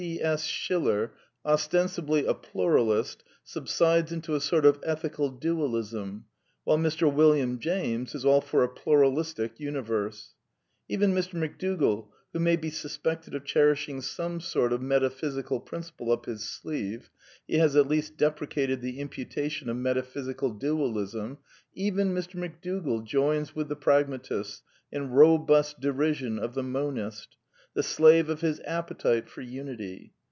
C. S. Schiller, ostensibly a Pluralist, subsides into a sort of ethical Dualism ;^^ while Mr. Wil liam James is all for a Pluralistic Universe. Even Mr. McDougall, who may be suspected of cherishing some sort of metaphysical principle up his sleeve (he has at least deprecated the imputation of metaphysical Dualism), even Mr. McDougall joins with the pragmatists in robust derision of the monist, the slave of his " appetite for unity."